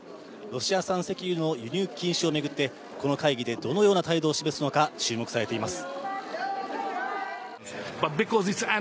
ロシア産石油の輸入禁止を巡って、この会議でどのような態度を示すのが注目されています。